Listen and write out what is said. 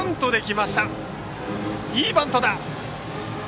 いいバントだ。